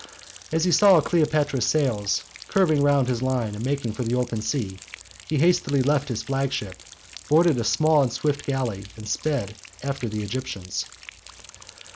As he saw Cleopatra's sails curving round his line and making for the open sea, he hastily left his flagship, boarded a small and swift galley, and sped after the Egyptians.